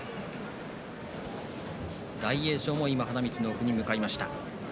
大栄翔も今、花道の奥に向かいました。